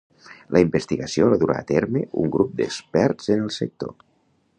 La investigació la durà a terme un grup d'experts en el sector.